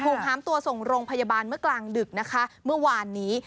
หามตัวส่งโรงพยาบาลเมื่อกลางดึกนะคะเมื่อวานนี้